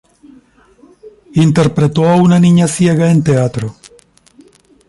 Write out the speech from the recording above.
Interpretó a una niña ciega en teatro.